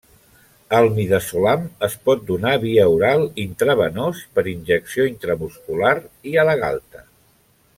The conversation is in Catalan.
El midazolam es pot donar via oral, intravenós, per injecció intramuscular i a la galta.